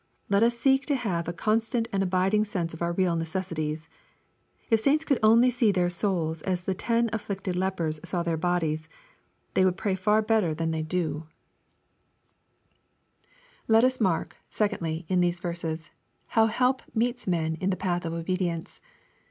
Let us seek to have a con stant and abiding sense of our real necessities. If saints could only see their souls as the ten afflicted lepers saw their bodies, they would pray far better than they do LUKF, CHAP. XVII. 233 Let Ub mark, secondly, in these verses, how help meets men in the path of obedience.